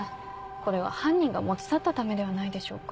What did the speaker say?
これは犯人が持ち去ったためではないでしょうか。